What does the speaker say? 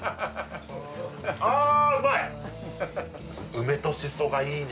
梅とシソがいいね